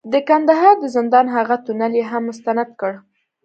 د کندهار د زندان هغه تونل یې هم مستند کړ،